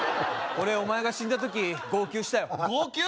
俺お前が死んだ時号泣したよ号泣？